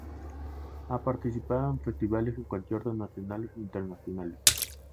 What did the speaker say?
Ha participado en festivales y conciertos nacionales e internacionales.